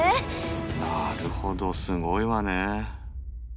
なるほどすごいわね。